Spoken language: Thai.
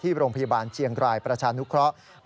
โรงพยาบาลเชียงรายประชานุเคราะห์